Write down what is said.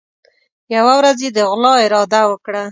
یوه ورځ یې د غلا اراده وکړه.